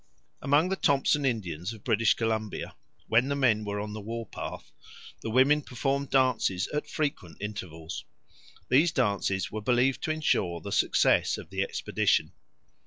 Among the Thompson Indians of British Columbia, when the men were on the war path, the women performed dances at frequent intervals. These dances were believed to ensure the success of the expedition.